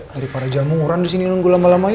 dari para jamu orang disini nunggu lama lama yuk